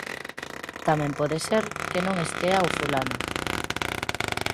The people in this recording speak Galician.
Tamén pode ser que non estea o fulano...